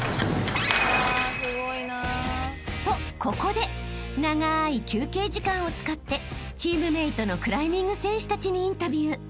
ここでながい休憩時間を使ってチームメートのクライミング選手たちにインタビュー］